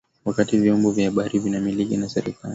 wakati vyombo vya habari vinamilikiwa na serikali